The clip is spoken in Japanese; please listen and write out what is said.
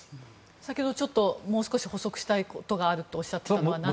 先ほどもう少し補足したいことがあるとおっしゃっていたのは。